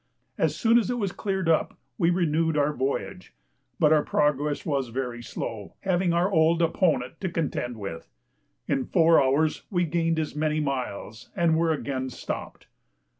As soon as it was cleared up we renewed our voyage, but our progress was very slow, having our old opponent to contend with; in four hours we gained as many miles and were again stopped.